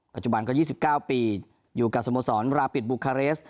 ปัจจุบันก็๒๙ปีอยู่กับสโมสรราปิดบุคาเรส